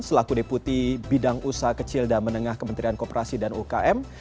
selaku deputi bidang usaha kecil dan menengah kementerian kooperasi dan ukm